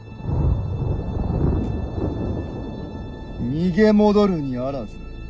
逃げ戻るにあらず。